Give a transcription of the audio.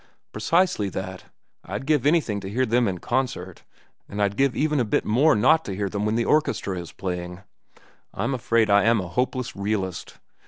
"Precisely that. I'd give anything to hear them in concert, and I'd give even a bit more not to hear them when the orchestra is playing. I'm afraid I am a hopeless realist.